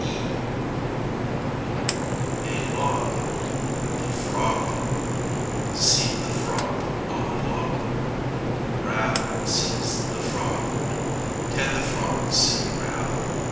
] a log the frog See the frog on a log. Rab sees the frog. Can the frog see Rab?